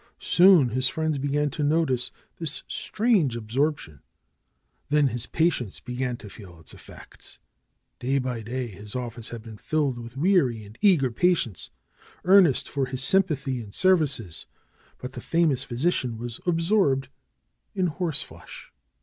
Soon his friends began to notice this strange absorp tion. Then his patients began to feel its effects. Day 152 DR. SCHOLAR CRUTCH by day his office had been filled with weary and eager patients, earnest for his sympathy and services; but the famous physician was absorbed in horseflesh.